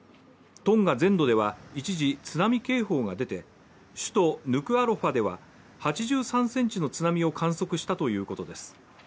トンガ全土では一時津波警報が出て首都ヌクアロファでは８３ｃｍの津波を観測したということです。